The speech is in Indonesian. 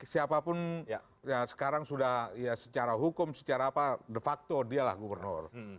siapapun ya sekarang sudah ya secara hukum secara apa de facto dialah gubernur